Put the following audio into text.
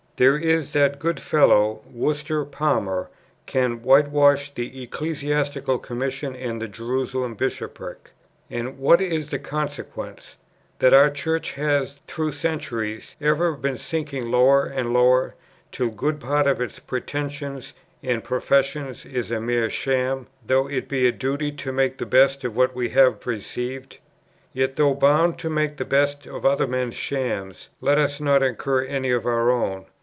There is that good fellow, Worcester Palmer, can whitewash the Ecclesiastical Commission and the Jerusalem Bishopric. And what is the consequence? that our Church has, through centuries, ever been sinking lower and lower, till good part of its pretensions and professions is a mere sham, though it be a duty to make the best of what we have received. Yet, though bound to make the best of other men's shams, let us not incur any of our own.